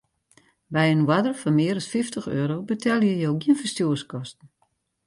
By in oarder fan mear as fyftich euro betelje jo gjin ferstjoerskosten.